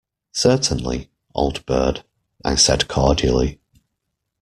"Certainly, old bird," I said cordially.